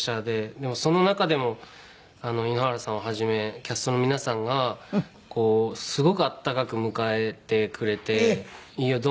でもその中でも井ノ原さんをはじめキャストの皆さんがこうすごく温かく迎えてくれて。